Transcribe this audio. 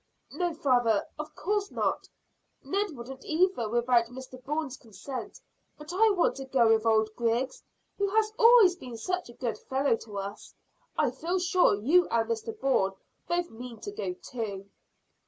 "No, father, of course not. Ned wouldn't either without Mr Bourne's consent; but I want to go with old Griggs, who has always been such a good fellow to us, and I feel sure you and Mr Bourne both mean to go too."